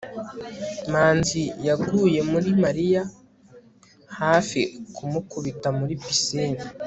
manzi yaguye muri mariya hafi kumukubita muri pisine